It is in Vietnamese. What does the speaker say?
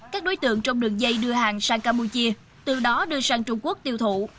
các đối tượng trong đường dây đưa hàng sang campuchia từ đó đưa sang trung quốc tiêu thụ